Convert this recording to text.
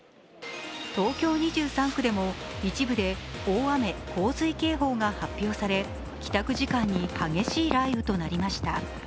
東京２３区でも一部で大雨洪水警報が発表され、帰宅時間に激しい雷雨となりました。